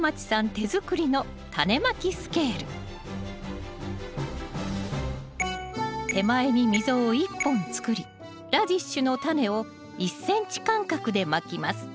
手作りの手前に溝を１本作りラディッシュのタネを１ｃｍ間隔でまきます